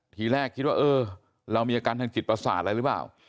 ทีแรกคิดว่าเออเรามีอาการทางจิตประสาทอะไรหรือเปล่า